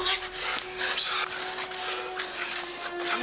mas di sini aku mas